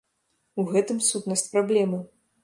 У гэтым сутнасць праблемы.